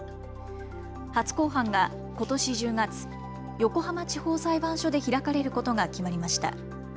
初公判がことし１０月、横浜地方裁判所で開かれることが決まりました。